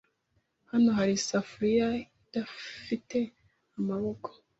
Hano hari isafuriya idafite amaboko.